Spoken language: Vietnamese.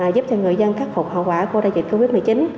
giúp cho người dân khắc phục hậu quả của đại dịch covid một mươi chín